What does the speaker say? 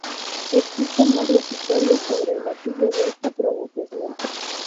Existen varias historias sobre el motivo de esta pronunciación.